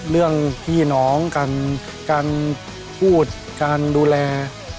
เรื่องพี่น้องการพูดการดูแล